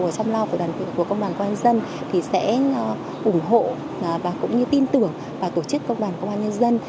trong lao của đoàn viên công đoàn công an nhân dân sẽ ủng hộ tin tưởng và tổ chức công đoàn công an nhân dân